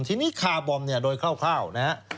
ทีนี้ค่าบอมโดยคร่าวนะฮะ